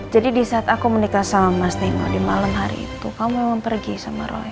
jadi di saat aku menikah sama mas nino di malam hari itu kamu emang pergi sama roy ke kabar nanai